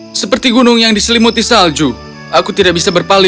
dan dahimu seperti gunung yang diselimuti salju aku tidak bisa berhenti